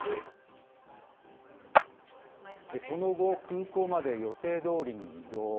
その後、空港まで予定どおりに移動。